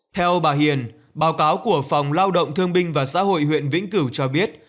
theo bà hiền báo cáo của phòng lao động thương binh và xã hội huyện vĩnh cửu cho biết